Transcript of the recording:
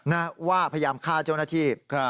นะว่าพยายามฆ่าเจ้าหน้าที่